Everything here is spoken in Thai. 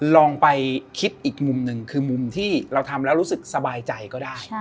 ลองไปคิดอีกมุมหนึ่งคือมุมที่เราทำแล้วรู้สึกสบายใจก็ได้